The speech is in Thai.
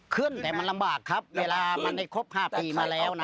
ขึ้นแต่มันลำบากครับเวลามันได้ครบ๕ปีมาแล้วนะ